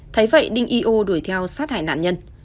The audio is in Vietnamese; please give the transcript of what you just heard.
thấy vậy đinh yô đuổi theo sát hại nạn nhân